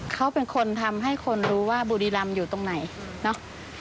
เขาเป็นคนทำให้คนรู้ว่าบุรีรำอยู่ตรงไหนเนาะ